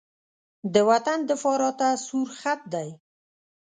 د وطن دفاع راته سور خط دی.